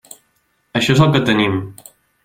Això és el que tenim.